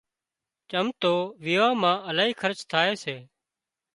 چم تو ويوان مان الاهي خرچ ٿائي سي